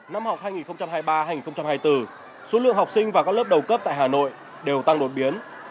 năm học hai nghìn hai mươi ba hai nghìn hai mươi bốn số lượng học sinh vào các lớp đầu cấp tại hà nội đều tăng đột biến